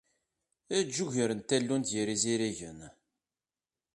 Eǧǧ ugar n tallunt gar yizirigen.